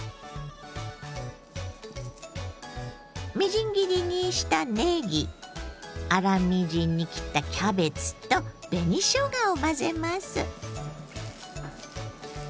みじん切りにしたねぎ粗みじんに切ったキャベツと紅しょうがを混ぜます。